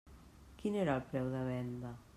Quin era el preu de venda?